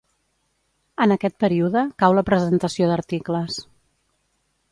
En aquest període cau la presentació d'articles.